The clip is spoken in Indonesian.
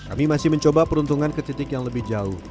kami masih mencoba peruntungan ke titik yang lebih jauh